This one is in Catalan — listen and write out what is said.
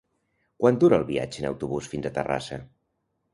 Quant dura el viatge en autobús fins a Terrassa?